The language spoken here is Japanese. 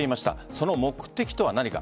その目的とは何か。